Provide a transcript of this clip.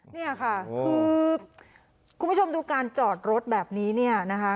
เนี่ยค่ะคือคุณผู้ชมดูการจอดรถแบบนี้เนี่ยนะคะ